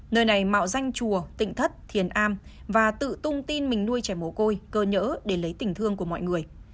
nơi này mạo danh chùa tỉnh thất thiền am và tự tung tin mình nuôi trẻ mổ côi cơ nhỡ để lấy tỉnh thương của mọi người